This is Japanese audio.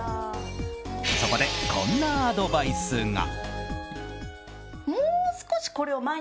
そこで、こんなアドバイスが。